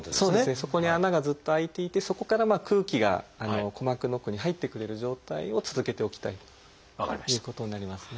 そこに穴がずっと開いていてそこから空気が鼓膜の奥に入ってくれる状態を続けておきたいということになりますね。